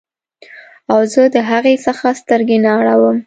او زه د هغې څخه سترګې نه اړوم